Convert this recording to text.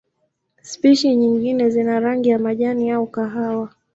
Spishi nyingine zina rangi ya majani au kahawa.